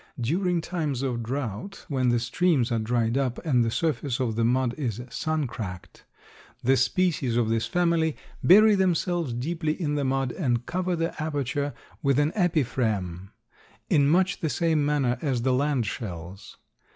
During times of drought when the streams are dried up and the surface of the mud is sun cracked, the species of this family bury themselves deeply in the mud and cover the aperture with an epiphragm, in much the same manner as the land shells.